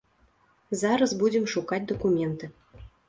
Зараз будзем шукаць дакументы.